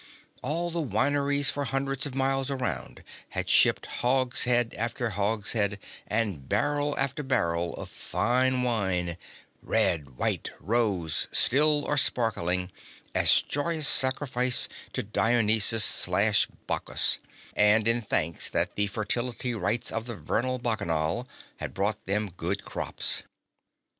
All the wineries for hundreds of miles around had shipped hogshead after hogshead and barrel after barrel of fine wine red, white, rose, still, or sparkling as joyous sacrifice to Dionysus/Bacchus, and in thanks that the fertility rites of the Vernal Bacchanal had brought them good crops.